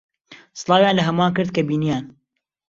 سڵاویان لە ھەمووان کرد کە بینییان.